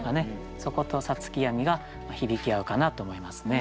そこと「五月闇」が響き合うかなと思いますね。